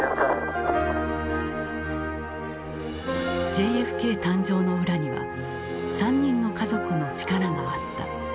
ＪＦＫ誕生の裏には３人の家族の力があった。